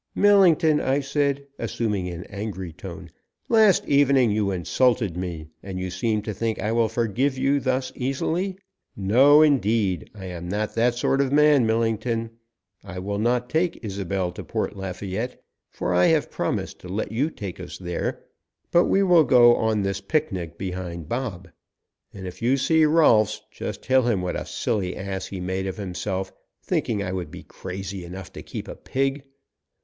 "Millington," I said, assuming an angry tone, "last evening you insulted me, and you seem to think I will forgive you thus easily. No indeed! I am not that sort of man, Millington. I will not take Isobel to Port Lafayette, for I have promised to let you take us there, but we will go on this picnic behind Bob. And if you see Rolfs just tell him what a silly ass he made of himself, thinking I would be crazy enough to keep a pig.